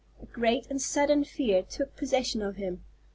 A great and sudden fear took possession of him.